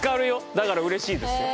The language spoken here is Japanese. だから嬉しいですよ。